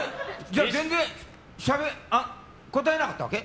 全然答えられなかったわけ？